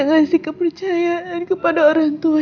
ngasih kepercayaan kepada orang tua